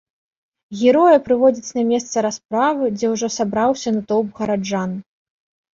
Героя прыводзяць на месца расправы, дзе ўжо сабраўся натоўп гараджан.